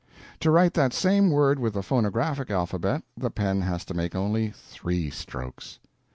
To write that same word with the phonographic alphabet, the pen has to make only _three _strokes.